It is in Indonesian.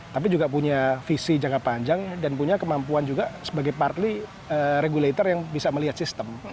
tapi juga punya visi jangka panjang dan punya kemampuan juga sebagai partly regulator yang bisa melihat sistem